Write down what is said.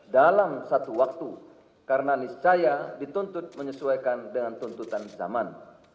dalam satu waktu karena niscaya dituntut menyesuaikan dengan tuntutan zaman